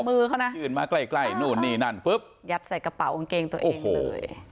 มือเขานะยืนมาใกล้ใกล้นู่นนี่นั่นฟึ๊บยัดใส่กระเป๋ากางเกงตัวเองเลย